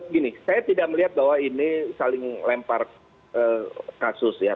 gini saya tidak melihat bahwa ini saling lempar kasus ya